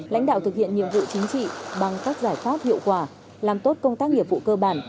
lãnh đạo thực hiện nhiệm vụ chính trị bằng các giải pháp hiệu quả làm tốt công tác nghiệp vụ cơ bản